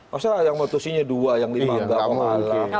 maksudnya yang memutusinya dua yang lima yang berapa malam